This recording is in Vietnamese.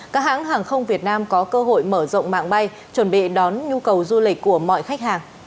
các hãng hàng không việt nam có cơ hội mở rộng mạng bay chuẩn bị đón nhu cầu du lịch của mọi khách hàng